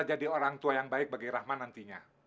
bisa jadi orang tua yang baik bagi rahman nantinya